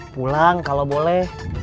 pulang kalau boleh